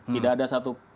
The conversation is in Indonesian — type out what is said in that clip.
tidak ada satu